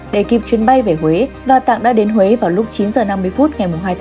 để kịp chuyến bay về huế và tạng đã đến huế vào lúc chín h năm mươi phút ngày hai tháng bốn